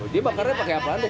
dia bakarnya pakai apaan tuh